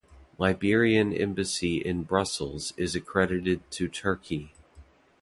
Liberian Embassy in Brussels is accredited to Turkey.